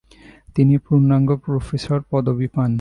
তিনি পূর্ণাঙ্গ প্রফেসর পদবী পান।